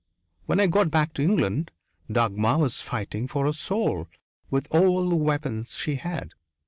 When I got back to England, Dagmar was fighting for his soul with all the weapons she had.